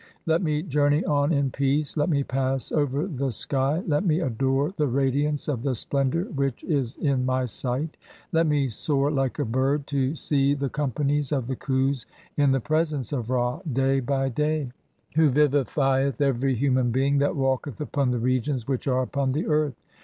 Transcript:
Let me journey on in peace ; (33) let me pass "over the sky ; let me adore the radiance of the splendour [which "is in] my sight ; let me soar like a bird to see (34) the com "panies(?) of the Klius in the presence of Ra day by day, who "vivifieth every human being (35) that walketh upon the regions "which are upon the earth.